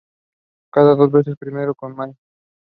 Biswas completed his Ph.